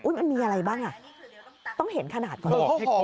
มันมีอะไรบ้างอ่ะต้องเห็นขนาดก่อน